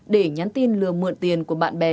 để nhắn tin lừa mượn tiền của bạn bè